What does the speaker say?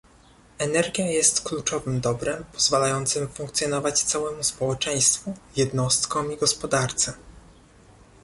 Energia jest kluczowym dobrem pozwalającym funkcjonować całemu społeczeństwu, jednostkom i gospodarce